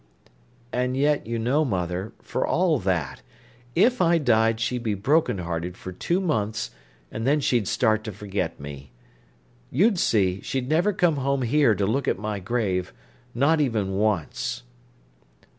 "And yet, you know, mother, for all that, if I died she'd be broken hearted for two months, and then she'd start to forget me. You'd see, she'd never come home here to look at my grave, not even once."